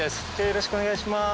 よろしくお願いします。